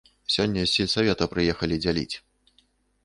Сёння з сельсавета прыехалі дзяліць.